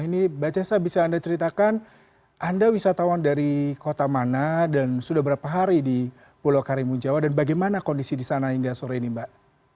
ini mbak cesa bisa anda ceritakan anda wisatawan dari kota mana dan sudah berapa hari di pulau karimun jawa dan bagaimana kondisi di sana hingga sore ini mbak